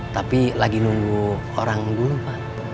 tapi lagi nunggu orang dulu pak